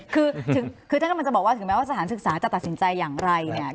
คือท่านกำลังจะบอกว่าถึงแม้ว่าสถานศึกษาจะตัดสินใจอย่างไรเนี่ย